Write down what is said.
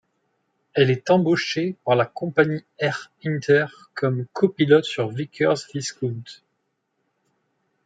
Elle est embauchée par la compagnie Air Inter comme copilote sur Vickers Viscount.